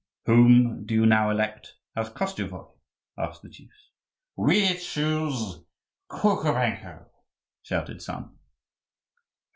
"Whom do you now elect as Koschevoi?" asked the chiefs. "We choose Kukubenko," shouted some.